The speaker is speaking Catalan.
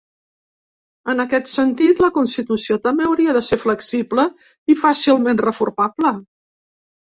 En aquest sentit, la constitució també hauria de ser flexible i fàcilment reformable.